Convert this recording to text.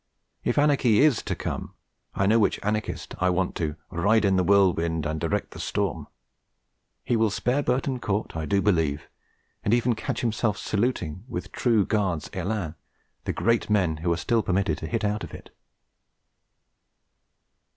If anarchy is to come, I know which anarchist I want to 'ride in the whirlwind and direct the storm'; he will spare Burton Court, I do believe; and even catch himself saluting, with true Guards' élan, the 'great men' who are still permitted to hit out of it.